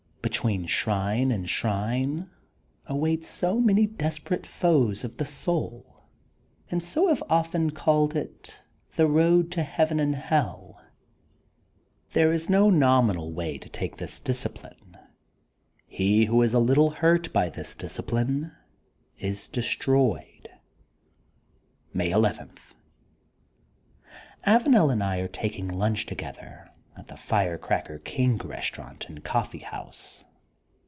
Between shrine and shrine, await many desperate foes of the souL And so have often called it * The Boad to Heaven and Hell.' There is no nominal way to take this discipline. He who is a little hiui; by this dis cipline is destroyed.*' May 11: — ^Avanel and I are taking lunch together at the Fire Cracker King Restau rant and Coffee House.